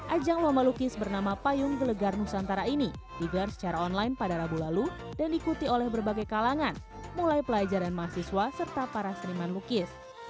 ajang loma lukis bernama payung gelegar nusantara ini digelar secara online pada rabu lalu dan diikuti oleh berbagai kalangan mulai pelajaran mahasiswa serta para seniman lukis